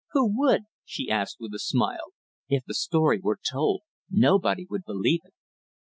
"Who would?" she asked with a smile. "If the story were told, nobody would believe it."